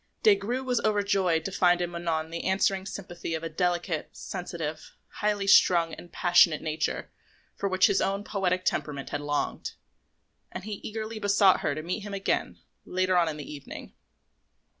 Des Grieux was overjoyed to find in Manon the answering sympathy of a delicate, sensitive, highly strung and passionate nature for which his own poetic temperament had longed; and he eagerly besought her to meet him again later on in the evening.